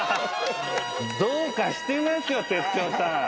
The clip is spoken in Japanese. どうかしてますよ、哲代さん。